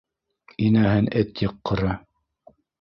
Инәһен эт йыҡҡыры...